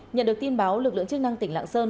nhận được tin báo lực lượng chức năng tỉnh lạng sơn